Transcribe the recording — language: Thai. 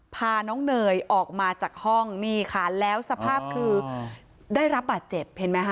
พาน้องเนยออกมาจากห้องนี่ค่ะแล้วสภาพคือได้รับบาดเจ็บเห็นไหมคะ